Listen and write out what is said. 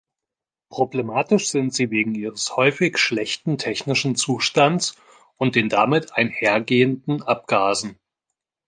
Problematisch sind sie wegen ihres häufig schlechten technischen Zustands und den damit einhergehenden Abgasen.